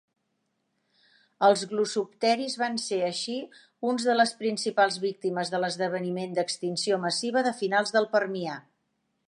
Els glossopteris van ser, així, uns de les principals víctimes de l'esdeveniment d'extinció massiva de finals del permià.